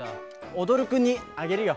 おどるくんにあげるよ。